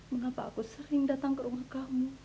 mengapa aku sering datang ke rumah kamu